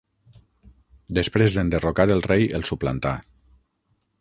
Després d'enderrocar el rei, el suplantà.